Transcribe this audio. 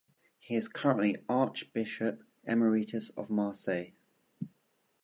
He is currently Archbishop Emeritus of Marseille.